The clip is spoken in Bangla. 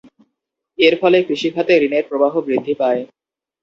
এর ফলে কৃষিখাতে ঋণের প্রবাহ বৃদ্ধি পায়।